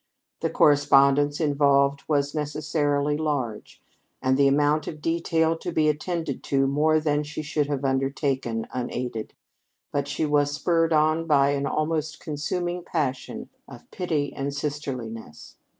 The correspondence involved was necessarily large, and the amount of detail to be attended to more than she should have undertaken, unaided, but she was spurred on by an almost consuming passion of pity and sisterliness.